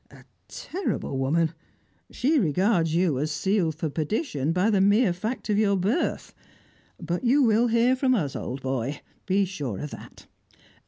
A terrible woman! She regards you as sealed for perdition by the mere fact of your birth. But you will hear from us, old boy, be sure of that.